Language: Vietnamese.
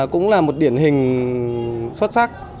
cũng là một điển hình xuất sắc